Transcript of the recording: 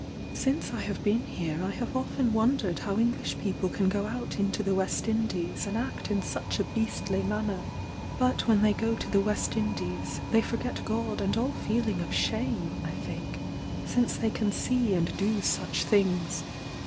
Since I have been here I have often wondered how English people can go out into the West Indies and act in such a beastly manner. But when they go to the West Indies, they forget God and all feeling of shame, I think, since they can see and do such things.